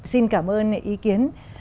xin cảm ơn ý kiến